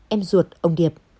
em ruột ông điệp